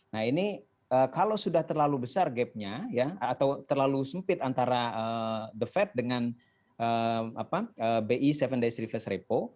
nah ini kalau sudah terlalu besar gapnya ya atau terlalu sempit antara the fed dengan bi tujuh days reverse repo